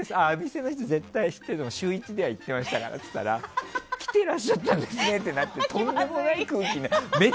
店の人は絶対知ってますって週１では行ってましたからって言ったら来てらっしゃったんですねってとんでもない空気で。